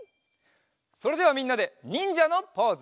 それではみんなでにんじゃのポーズ！